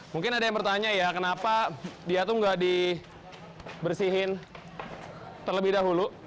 mungkin ada yang bertanya ya kenapa dia tuh gak dibersihin terlebih dahulu